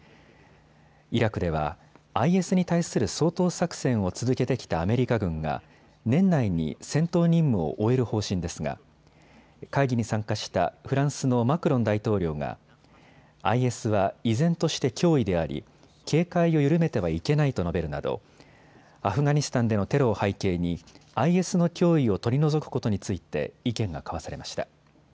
イラクではＩＳに対する掃討作戦を続けてきたアメリカ軍が年内に戦闘任務を終える方針ですが会議に参加したフランスのマクロン大統領がＩＳは依然として脅威であり警戒を緩めてはいけないと述べるなど、アフガニスタンでのテロを背景にＩＳの脅威を取り除くことについて意見が交わされました。